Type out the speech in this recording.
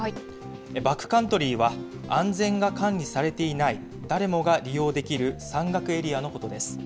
バックカントリーは、安全が管理されていない誰もが利用できる山岳エリアのことです。